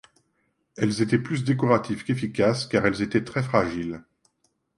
Elles étaient plus décoratives qu’efficaces car elles étaient très fragiles.